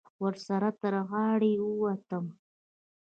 ورسره تر غاړې ووتم.